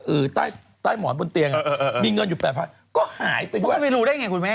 อือใต้หมอนบนเตียงมีเงินอยู่๘๐๐๐ก็หายไปด้วยมันไม่รู้ได้ไงคุณแม่